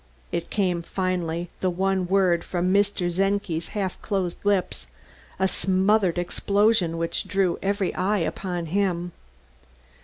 _" It came finally, the one word, from Mr. Czenki's half closed lips, a smothered explosion which drew every eye upon him.